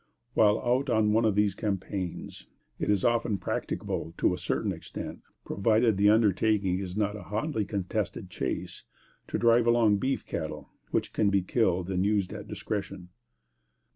While out on one of these campaigns, it is often practicable to a certain extent, provided the undertaking is not a hotly contested chase, to drive along beef cattle, which can be killed and used at discretion.